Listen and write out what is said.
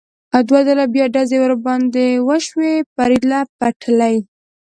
دوه ځله بیا ډزې را باندې وشوې، فرید له پټلۍ.